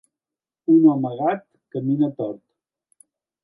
Un home gat camina tort.